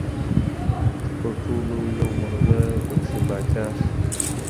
چي پر ټولو یو مرغه پکښي پاچا سي